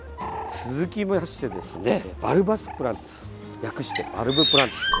続きまして、バルバスプランツ略してバルブプランツ。